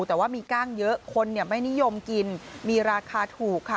แต่ว่ามีกล้างเยอะคนไม่นิยมกินมีราคาถูกค่ะ